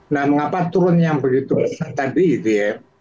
nah mengapa turun yang begitu besar tadi gitu ya